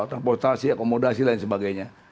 tempostasi akomodasi dan lain sebagainya